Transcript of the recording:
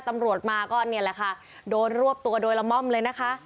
ตำรวจมาก็เนี่ยแหละค่ะโดนรวบตัวโดยละม่อมเลยนะคะ